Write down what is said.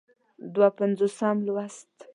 دوه پينځوسم لوست